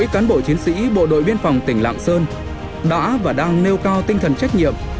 các cán bộ chiến sĩ bộ đội biên phòng tỉnh lạng sơn đã và đang nêu cao tinh thần trách nhiệm